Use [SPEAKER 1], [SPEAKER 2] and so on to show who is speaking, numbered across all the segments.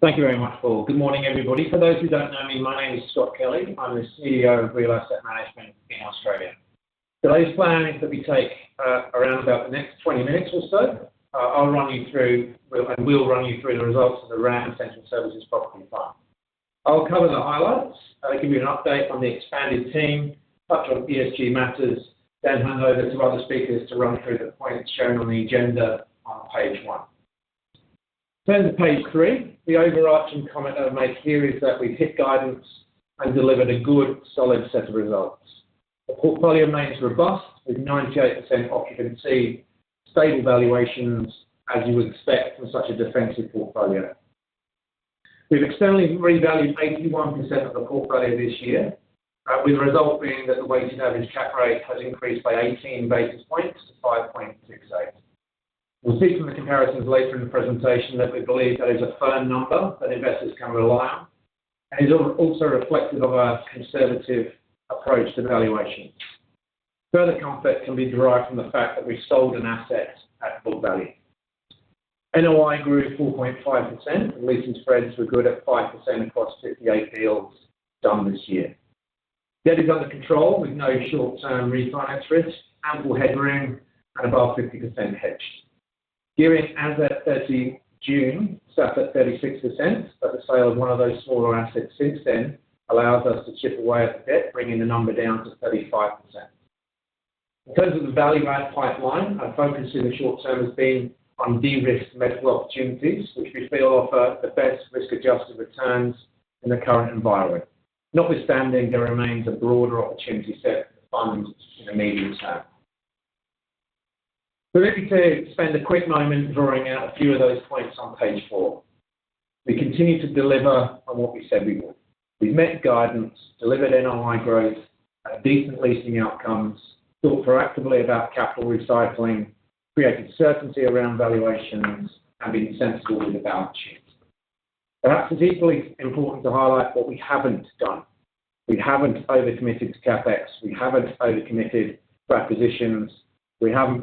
[SPEAKER 1] Thank you very much for all. Good morning, everybody. For those who don't know me, my name is Scott Kelly. I'm the CEO of Real Asset Management in Australia. Today's plan is that we take around about the next 20 minutes or so. I'll run you through, and we'll run you through the results of the RAM Essential Services Property Fund. I'll cover the highlights, give you an update on the expanded team, touch on ESG matters, then hand over to other speakers to run through the points shown on the agenda on page one. Turn to page 3. The overarching comment I'd make here is that we've hit guidance and delivered a good, solid set of results. The portfolio remains robust with 98% occupancy and stable valuations, as you would expect from such a defensive portfolio. We've externally revalued 81% of the portfolio this year, with the result being that the weighted average cap rate has increased by 18 basis points to 5.68. We'll see from the comparisons later in the presentation that we believe that is a firm number that investors can rely on, and it's also reflective of our conservative approach to valuation. Further comfort can be derived from the fact that we've sold an asset at book value. NOI grew 4.5%, and leasing spreads were good at 5% across 58 deals done this year. Debt is under control with no short-term refinance risk, ample headroom, and above 50% hedged. Gearing as at 13th of June stood at 36%, but the sale of 1 of those smaller assets since then allows us to chip away at the debt, bringing the number down to 35%. In terms of the value-add pipeline, our focus in the short term has been on de-risked medical opportunities, which we feel offer the best risk-adjusted returns in the current environment. Notwithstanding, there remains a broader opportunity set for the fund in the medium term. So let me spend a quick moment drawing out a few of those points on page 4. We continue to deliver on what we said we would. We've met guidance, delivered NOI growth, had decent leasing outcomes, thought proactively about capital recycling, created certainty around valuations, and been sensible with the balance sheet. Perhaps it's equally important to highlight what we haven't done. We haven't over-committed to CapEx. We haven't over-committed to acquisitions. We haven't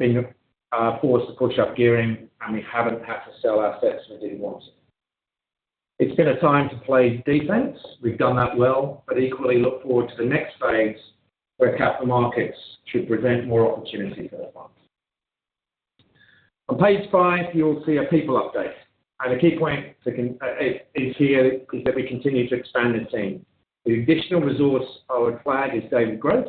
[SPEAKER 1] been forced to push up gearing, and we haven't had to sell assets we didn't want to. It's been a time to play defense. We've done that well, but equally look forward to the next phase where capital markets should present more opportunity for the fund. On page 5, you'll see a people update, and a key point here is that we continue to expand the team. The additional resource I would flag is David Grose.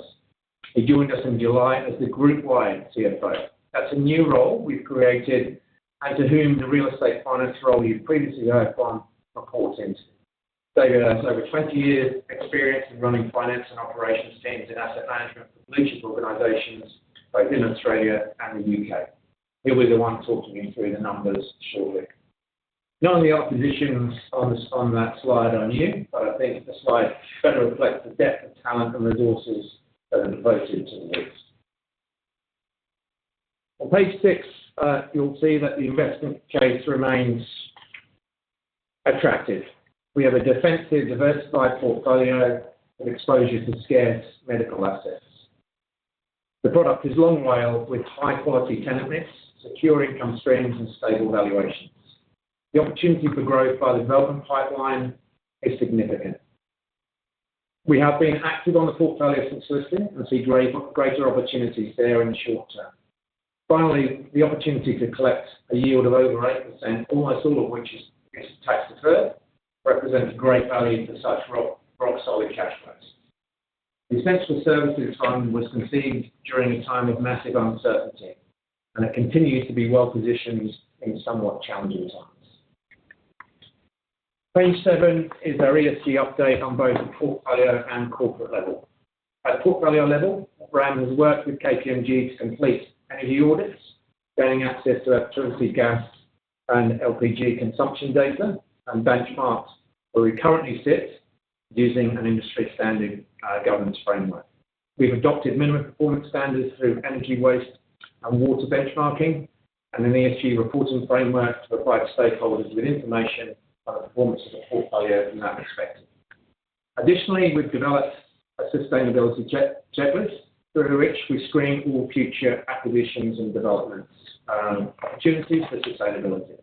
[SPEAKER 1] He joined us in July as the Group CFO. That's a new role we've created and to whom the real estate finance role you've previously heard from reports into. David has over 20 years experience in running finance and operations teams in asset management for blue-chip organizations both in Australia and the U.K. He'll be the one talking you through the numbers shortly. None of the positions on that slide are new, but I think the slide better reflects the depth of talent and resources that are devoted to the leasing. On page 6, you'll see that the investment case remains attractive. We have a defensive, diversified portfolio with exposure to scarce medical assets. The product is long WALE with high-quality tenant mix, secure income streams, and stable valuations. The opportunity for growth by the development pipeline is significant. We have been active on the portfolio since listing and see greater opportunities there in the short term. Finally, the opportunity to collect a yield of over 8%, almost all of which is tax-deferred, represents great value for such rock-solid cash flows. The Essential Services Fund was conceived during a time of massive uncertainty, and it continues to be well-positioned in somewhat challenging times. Page 7 is our ESG update on both the portfolio and corporate level. At portfolio level, RAM has worked with KPMG to complete energy audits, gaining access to electricity, gas, and LPG consumption data, and benchmarked where we currently sit using an industry-standard governance framework. We've adopted minimum performance standards through energy waste and water benchmarking, and an ESG reporting framework to provide stakeholders with information on the performance of the portfolio from that perspective. Additionally, we've developed a sustainability checklist through which we screen all future acquisitions and development opportunities for sustainability.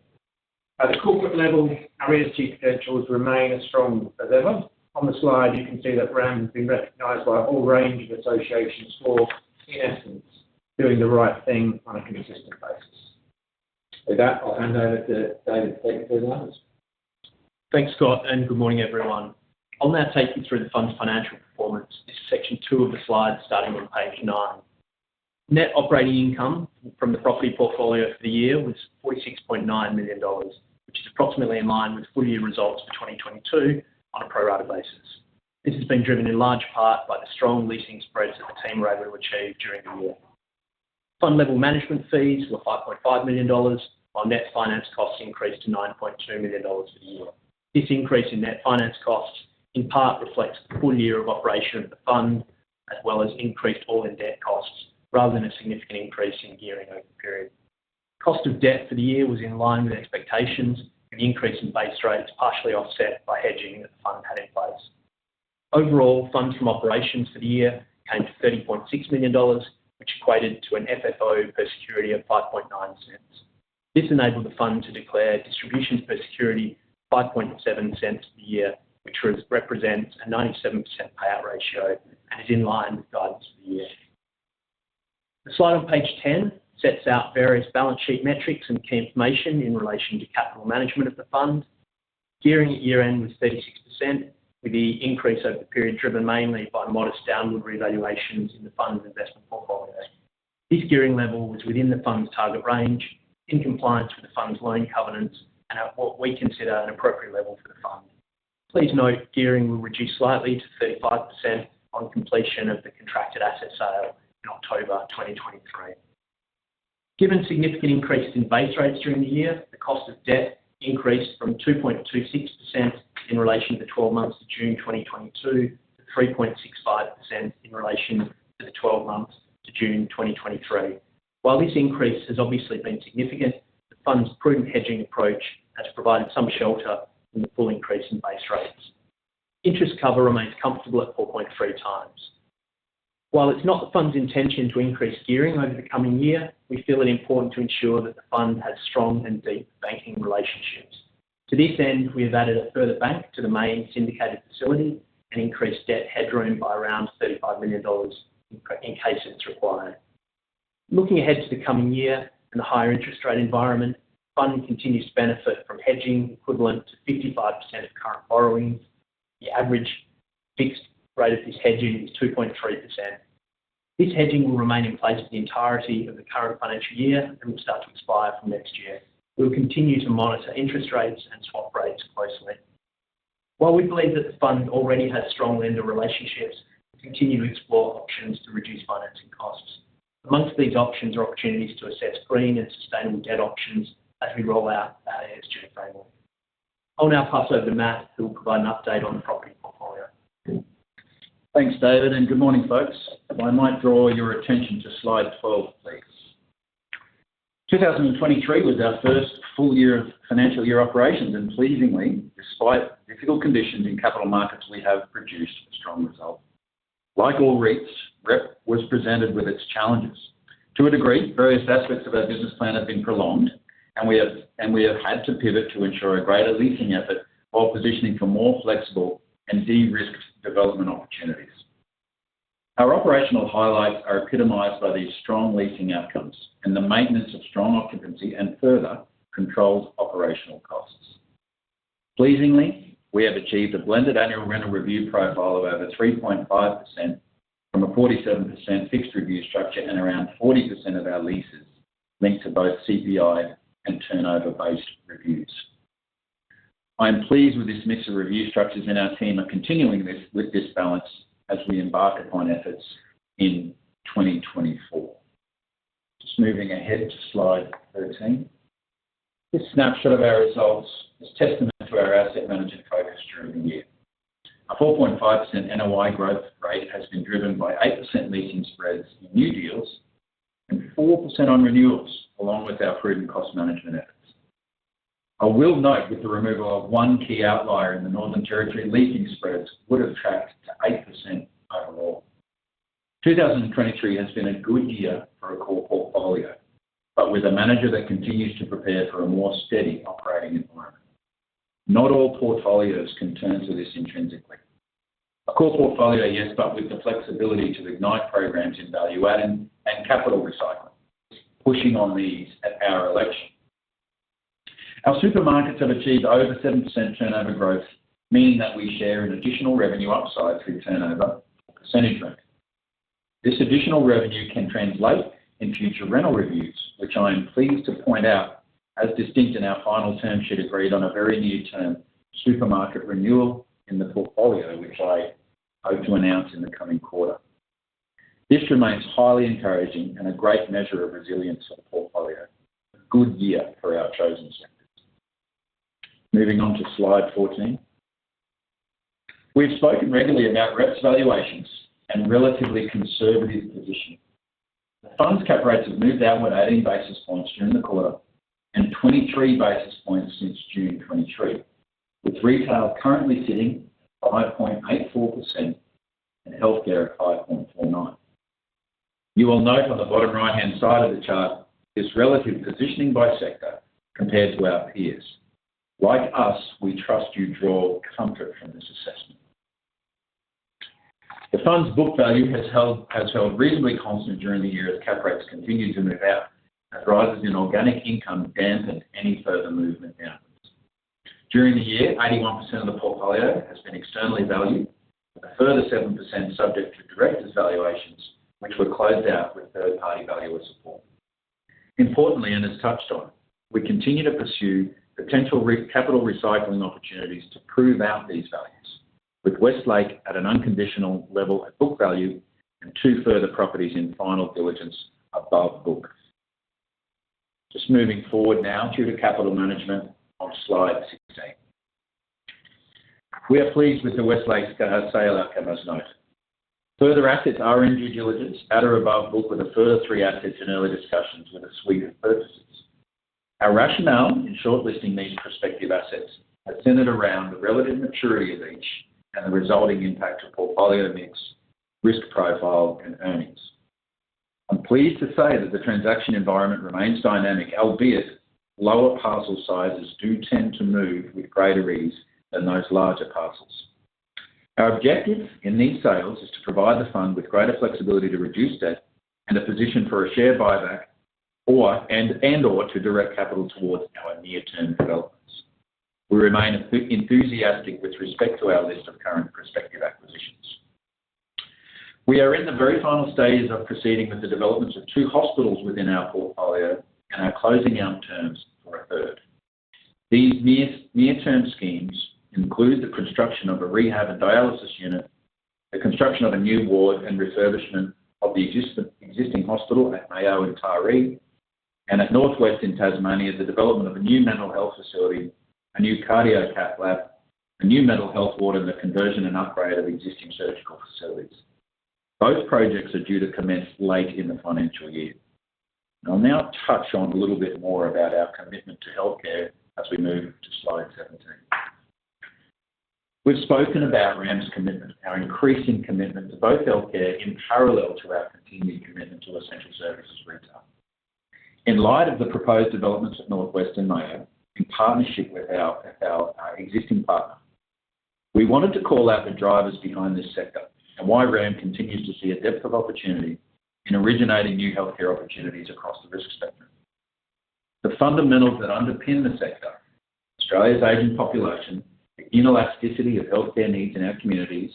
[SPEAKER 1] At the corporate level, our ESG credentials remain as strong as ever. On the slide, you can see that RAM has been recognized by a whole range of associations for, in essence, doing the right thing on a consistent basis. With that, I'll hand over to David to take the presentation.
[SPEAKER 2] Thanks, Scott, and good morning, everyone. I'll now take you through the fund's financial performance. This is section 2 of the slide, starting on page 9. Net operating income from the property portfolio for the year was 46.9 million dollars, which is approximately in line with full-year results for 2022 on a pro-rata basis. This has been driven in large part by the strong leasing spreads that the team were able to achieve during the year. Fund-level management fees were 5.5 million dollars, while net finance costs increased to 9.2 million dollars for the year. This increase in net finance costs in part reflects the full year of operation of the fund, as well as increased all-in-debt costs rather than a significant increase in gearing over the period. Cost of debt for the year was in line with expectations, and the increase in base rate was partially offset by hedging that the fund had in place. Overall, funds from operations for the year came to 30.6 million dollars, which equated to an FFO per security of 5.9. This enabled the fund to declare distributions per security 5.7 a year, which represents a 97% payout ratio and is in line with guidance for the year. The slide on page 10 sets out various balance sheet metrics and key information in relation to capital management of the fund. Gearing at year-end was 36%, with the increase over the period driven mainly by modest downward revaluations in the fund's investment portfolio. This gearing level was within the fund's target range, in compliance with the fund's loan covenants and at what we consider an appropriate level for the fund. Please note gearing will reduce slightly to 35% on completion of the contracted asset sale in October 2023. Given the significant increase in base rates during the year, the cost of debt increased from 2.26% in relation to the 12 months to June 2022 to 3.65% in relation to the 12 months to June 2023. While this increase has obviously been significant, the fund's prudent hedging approach has provided some shelter from the full increase in base rates. Interest cover remains comfortable at 4.3 times. While it's not the fund's intention to increase gearing over the coming year, we feel it important to ensure that the fund has strong and deep banking relationships. To this end, we have added a further bank to the main syndicated facility and increased debt headroom by around 35 million dollars in case it's required. Looking ahead to the coming year and the hi gher interest rate environment, the fund continues to benefit from hedging equivalent to 55% of current borrowings. The average fixed rate of this hedging is 2.3%. This hedging will remain in place for the entirety of the current financial year and will start to expire from next year. We'll continue to monitor interest rates and swap rates closely. While we believe that the fund already has strong lender relationships, we continue to explore options to reduce financing costs. Among these options are opportunities to assess green and sustainable debt options as we roll out our ESG framework. I'll now pass over to Matt, who will provide an update on the property portfolio.
[SPEAKER 3] Thanks, David, and good morning, folks. If I might draw your attention to slide 12, please. 2023 was our first full year of financial year operations, and pleasingly, despite difficult conditions in capital markets, we have produced a strong result. Like all REITs, REP was presented with its challenges. To a degree, various aspects of our business plan have been prolonged, and we have had to pivot to ensure a greater leasing effort while positioning for more flexible and de-risked development opportunities. Our operational highlights are epitomized by these strong leasing outcomes and the maintenance of strong occupancy and further controlled operational costs. Pleasingly, we have achieved a blended annual rental review profile of over 3.5% from a 47% fixed review structure and around 40% of our leases linked to both CPI and turnover-based reviews. I am pleased with this mix of review structures, and our team are continuing this with this balance as we embark upon efforts in 2024. Just moving ahead to slide 13. This snapshot of our results is testament to our asset management focus during the year. A 4.5% NOI growth rate has been driven by 8% leasing spreads in new deals and 4% on renewals, along with our prudent cost management efforts. I will note that the removal of one key outlier in the Northern Territory leasing spreads would have tracked to 8% overall. 2023 has been a good year for a core portfolio, but with a manager that continues to prepare for a more steady operating environment. Not all portfolios can turn to this intrinsically. A core portfolio, yes, but with the flexibility to ignite programs in value-adding and capital recycling, pushing on these at our election. Our supermarkets have achieved over 7% turnover growth, meaning that we share an additional revenue upside through turnover percentage rate. This additional revenue can translate in future rental reviews, which I am pleased to point out as distinct in our final term sheet agreed on a very new term, supermarket renewal in the portfolio, which I hope to announce in the coming quarter. This remains highly encouraging and a great measure of resilience for the portfolio. A good year for our chosen sectors. Moving on to slide 14. We've spoken regularly about REP's valuations and relatively conservative positioning. The fund's cap rates have moved down with 18 basis points during the quarter and 23 basis points since June 2023, with retail currently sitting at 5.84% and healthcare at 5.49%. You will note on the bottom right-hand side of the chart this relative positioning by sector compared to our peers. Like us, we trust you draw comfort from this assessment. The fund's book value has held reasonably constant during the year as cap rates continue to move out, as rises in organic income dampened any further movement downwards. During the year, 81% of the portfolio has been externally valued, with a further 7% subject to directors' valuations, which were closed out with third-party valuer support. Importantly, and as touched on, we continue to pursue potential capital recycling opportunities to prove out these values, with Westlake at an unconditional level of book value and 2 further properties in final diligence above books. Just moving forward now to the capital management on slide 16. We are pleased with the Westlake sale outcome as noted. Further assets are in due diligence at or above book with a further 3 assets in early discussions with a suite of purchases. Our rationale in shortlisting these prospective assets has centered around the relative maturity of each and the resulting impact of portfolio mix, risk profile, and earnings. I'm pleased to say that the transaction environment remains dynamic, albeit lower parcel sizes do tend to move with greater ease than those larger parcels. Our objective in these sales is to provide the fund with greater flexibility to reduce debt and a position for a share buyback and/or to direct capital towards our near-term developments. We remain enthusiastic with respect to our list of current prospective acquisitions. We are in the very final stages of proceeding with the development of 2 hospitals within our portfolio and our closing out terms for a third. These near-term schemes include the construction of a rehab and dialysis unit, the construction of a new ward, and refurbishment of the existing hospital at Mayo and Taree, and at Northwest in Tasmania, the development of a new mental health facility, a new cardio cath lab, a new mental health ward, and the conversion and upgrade of existing surgical facilities. Both projects are due to commence late in the financial year. I'll now touch on a little bit more about our commitment to healthcare as we move to slide 17. We've spoken about RAM's commitment, our increasing commitment to both healthcare in parallel to our continued commitment to essential services retail. In light of the proposed developments at Northwest and Mayo in partnership with our existing partner, we wanted to call out the drivers behind this sector and why RAM continues to see a depth of opportunity in originating new healthcare opportunities across the risk spectrum. The fundamentals that underpin the sector, Australia's aging population, the inelasticity of healthcare needs in our communities,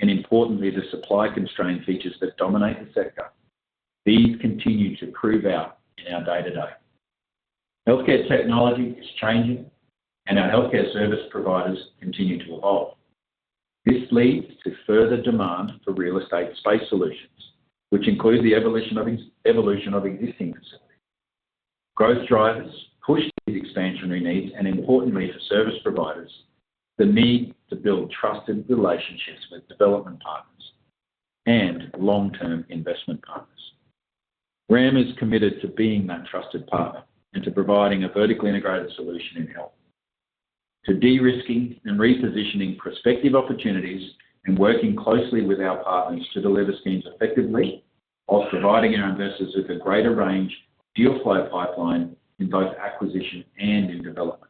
[SPEAKER 3] and importantly, the supply-constrained features that dominate the sector, these continue to prove out in our day-to-day. Healthcare technology is changing, and our healthcare service providers continue to evolve. This leads to further demand for real estate space solutions, which include the evolution of existing facilities. Growth drivers push these expansionary needs, and importantly for service providers, the need to build trusted relationships with development partners and long-term investment partners. RAM is committed to being that trusted partner and to providing a vertically integrated solution in health. To de-risking and repositioning prospective opportunities and working closely with our partners to deliver schemes effectively, while providing our investors with a greater range deal flow pipeline in both acquisition and new development.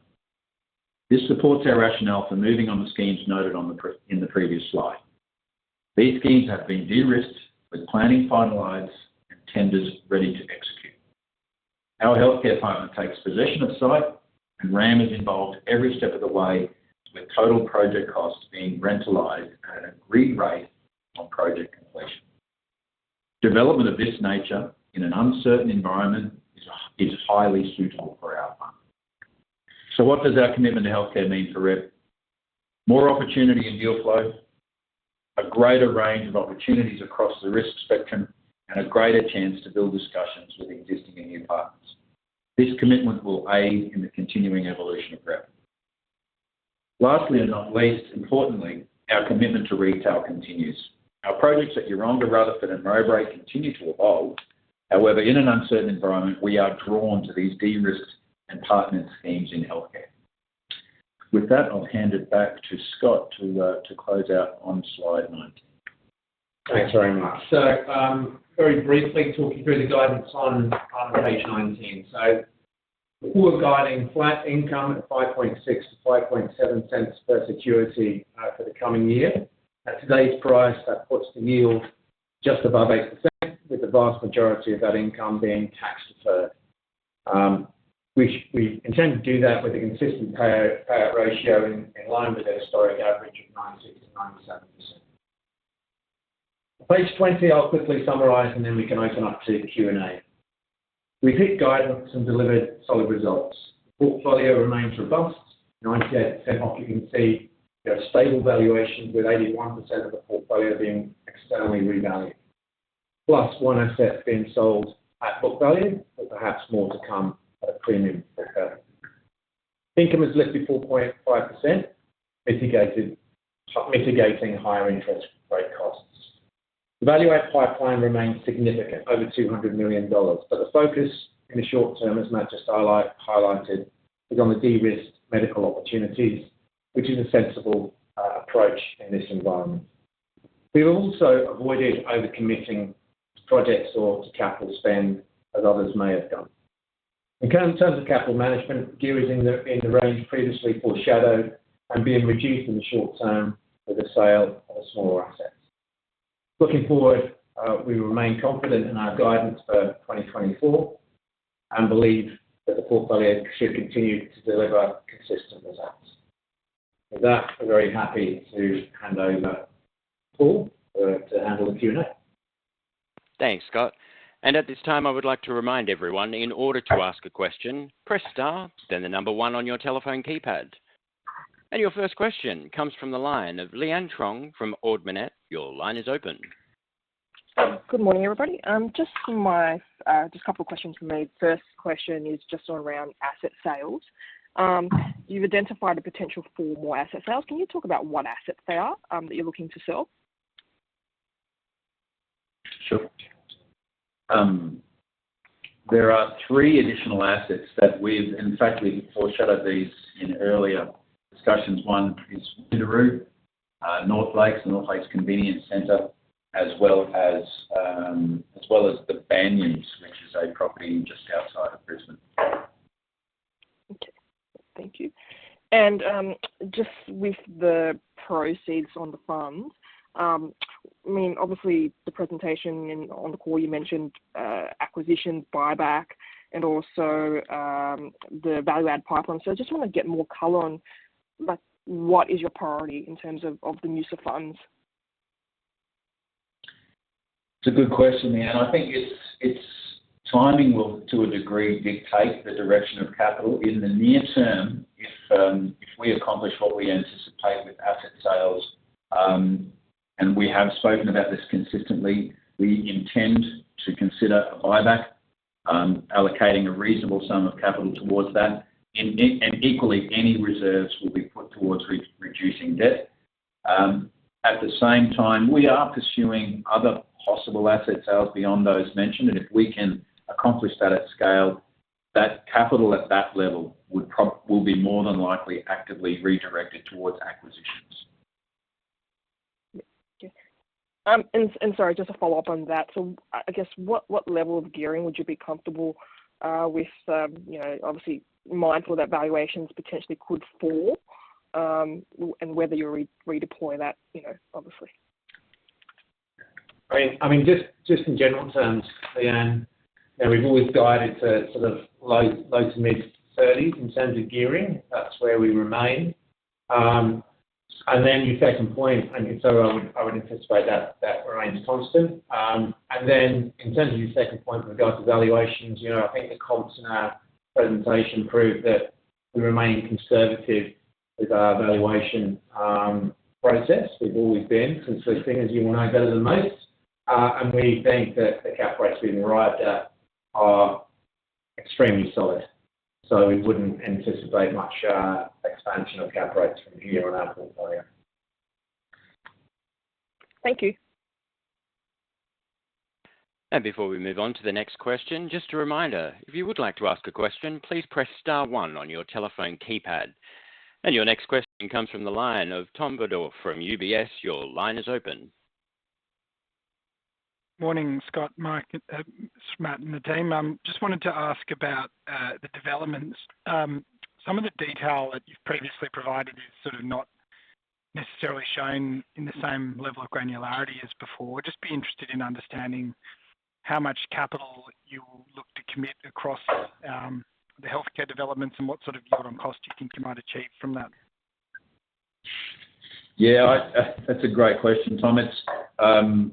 [SPEAKER 3] This supports our rationale for moving on the schemes noted on the previous slide. These schemes have been de-risked with planning finalized and tenders ready to execute. Our healthcare partner takes possession of site, and RAM is involved every step of the way, with total project costs being rentalized at an agreed rate on project completion. Development of this nature in an uncertain environment is highly suitable for our fund. So what does our commitment to healthcare mean for REP?. More opportunity in deal flow, a greater range of opportunities across the risk spectrum, and a greater chance to build discussions with existing and new partners. This commitment will aid in the continuing evolution of REP. Lastly, and not least, importantly, our commitment to retail continues. Our projects at Yeronga, Rutherford, and Mowbray continue to evolve. However, in an uncertain environment, we are drawn to these de-risked and partnered schemes in healthcare. With that, I'll hand it back to Scott to close out on slide 19.
[SPEAKER 1] Thanks very much. So very briefly, talking through the guidance on page 19. So we're guiding flat income at 0.056-0.057 per security for the coming year. At today's price, that puts the yield just above 8%, with the vast majority of that income being tax-deferred. We intend to do that with a consistent payout ratio in line with our historic average of 96-97%. Page 20, I'll quickly summarize, and then we can open up to Q&A. We've hit guidance and delivered solid results. The portfolio remains robust, 98% occupancy. We have stable valuations with 81% of the portfolio being externally revalued, plus one asset being sold at book value, but perhaps more to come at a premium book value. Income has lifted 4.5%, mitigating higher interest rate costs. The value-add pipeline remains significant, over 200 million dollars, but the focus in the short term, as Matt just highlighted, is on the de-risked medical opportunities, which is a sensible approach in this environment. We've also avoided over-committing projects or capital spend, as others may have done. In terms of capital management, gearing is in the range previously foreshadowed and being reduced in the short term with the sale of smaller assets. Looking forward, we remain confident in our guidance for 2024 and believe that the portfolio should continue to deliver consistent results. With that, I'm very happy to hand over Paul to handle the Q&A.
[SPEAKER 4] Thanks, Scott. And at this time, I would like to remind everyone, in order to ask a question, press star then the number one on your telephone keypad. And your first question comes from the line of Leanne Truong from Ord Minnett. Your line is open.
[SPEAKER 5] Good morning, everybody. Just a couple of questions for me. First question is just around asset sales. You've identified a potential for more asset sales. Can you talk about what assets they are that you're looking to sell?
[SPEAKER 1] Sure. There are 3 additional assets that we've in fact foreshadowed these in earlier discussions. One is the North Lakes, the North Lakes Convenience Center, as well as The Banyans, which is a property just outside of Brisbane.
[SPEAKER 5] Okay. Thank you. And just with the proceeds on the funds, I mean, obviously, the presentation on the call, you mentioned acquisition, buyback, and also the value-add pipeline. So I just want to get more color on what is your priority in terms of the use of funds?
[SPEAKER 1] It's a good question, Leanne. I think its timing will, to a degree, dictate the direction of capital. In the near term, if we accomplish what we anticipate with asset sales, and we have spoken about this consistently, we intend to consider a buyback, allocating a reasonable sum of capital towards that, and equally, any reserves will be put towards reducing debt. At the same time, we are pursuing other possible asset sales beyond those mentioned, and if we can accomplish that at scale, that capital at that level will be more than likely actively redirected towards acquisitions.
[SPEAKER 5] Okay, and sorry, just a follow-up on that, so I guess what level of gearing would you be comfortable with, obviously mindful that valuations potentially could fall and whether you redeploy that, obviously?
[SPEAKER 1] I mean, just in general terms, Leanne, we've always guided to sort of low to mid-30s in terms of gearing. That's where we remain. And then your second point, I mean, so I would anticipate that remains constant. And then in terms of your second point with regards to valuations, I think the comps in our presentation prove that we remain conservative with our valuation process. We've always been consistent, as you will know better than most. And we think that the cap rates we've arrived at are extremely solid. So we wouldn't anticipate much expansion of cap rates from here on our portfolio.
[SPEAKER 5] Thank you.
[SPEAKER 4] Before we move on to the next question, just a reminder, if you would like to ask a question, please press star one on your telephone keypad. Your next question comes from the line of Tom Badr from UBS. Your line is open.
[SPEAKER 6] Morning, Scott, Mike, Matt, and the team. Just wanted to ask about the developments. Some of the detail that you've previously provided is sort of not necessarily shown in the same level of granularity as before. I'd just be interested in understanding how much capital you will look to commit across the healthcare developments and what sort of yield on cost you think you might achieve from that.
[SPEAKER 1] Yeah, that's a great question, Tom.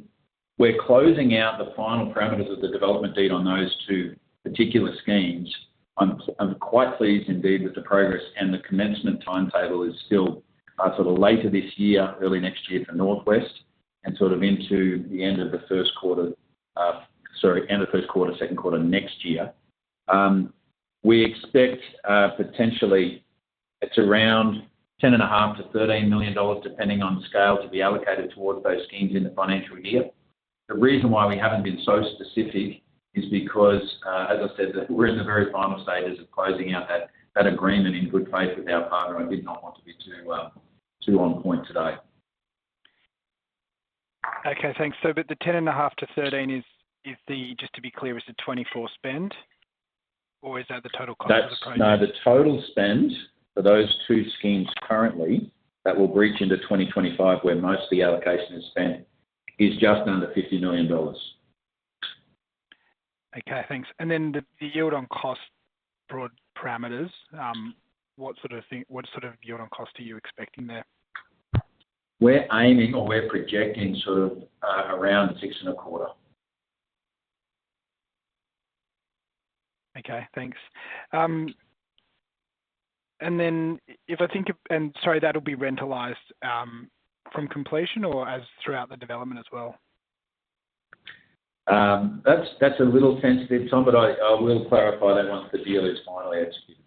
[SPEAKER 1] We're closing out the final parameters of the development deed on those 2 particular schemes. I'm quite pleased indeed with the progress, and the commencement timetable is still sort of later this year, early next year for Northwest, and sort of into the end of the Q1 sorry, end of Q1, Q2 next year. We expect potentially it's around 10.5-13 million dollars, depending on scale, to be allocated towards those schemes in the financial year. The reason why we haven't been so specific is because, as I said, we're in the very final stages of closing out that agreement in good faith with our partner. I did not want to be too on point today.
[SPEAKER 6] Okay, thanks. So the 10.5-13, just to be clear, is the 24 spend, or is that the total cost of the project?
[SPEAKER 1] No, the total spend for those two schemes currently that will reach into 2025, where most of the allocation is spent, is just under 50 million dollars.
[SPEAKER 6] Okay, thanks. And then the yield on cost broad parameters, what sort of yield on cost are you expecting there?
[SPEAKER 1] We're aiming or we're projecting sort of around 6.25.
[SPEAKER 6] Okay, thanks. And then, if I think and sorry, that'll be rentalized from completion or as throughout the development as well?
[SPEAKER 1] That's a little sensitive, Tom, but I will clarify that once the deal is finally executed.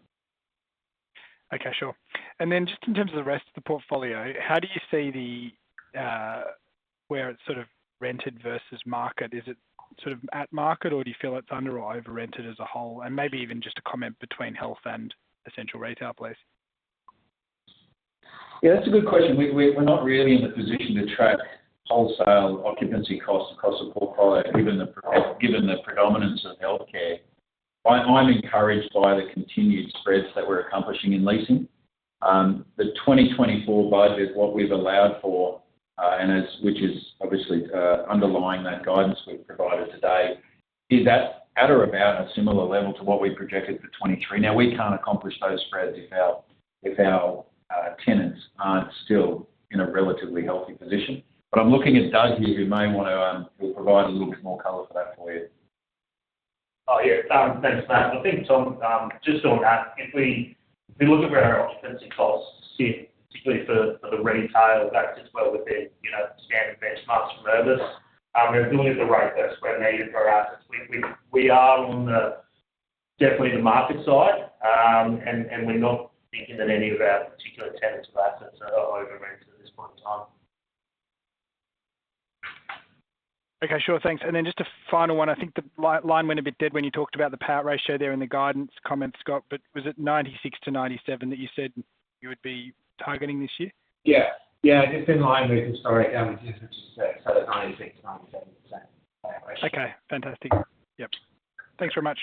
[SPEAKER 6] Okay, sure. And then just in terms of the rest of the portfolio, how do you see where it's sort of rented versus market? Is it sort of at market, or do you feel it's under or over-rented as a whole? And maybe even just a comment between health and essential retail place.
[SPEAKER 1] Yeah, that's a good question. We're not really in the position to track wholesale occupancy costs across the portfolio, given the predominance of healthcare. I'm encouraged by the continued spreads that we're accomplishing in leasing. The 2024 budget, what we've allowed for, which is obviously underlying that guidance we've provided today, is at or about a similar level to what we projected for 2023. Now, we can't accomplish those spreads if our tenants aren't still in a relatively healthy position. But I'm looking at Doug here, who may want to provide a little bit more color for that for you. Oh, yeah. Thanks, Matt. I think, Tom, just on that, if we look at where our occupancy costs sit, particularly for the retail, that sits well within standard benchmarks for Mowbray. We're building at the right per square meter for our assets. We are definitely on the market side, and we're not thinking that any of our particular tenants or assets are over-rented at this point in time.
[SPEAKER 6] Okay, sure. Thanks. And then just a final one. I think the line went a bit dead when you talked about the payout ratio there in the guidance comments, Scott, but was it 96%-97% that you said you would be targeting this year?
[SPEAKER 1] Just to say, so 96%-97% payout ratio.
[SPEAKER 6] Okay. Fantastic. Yep. Thanks very much.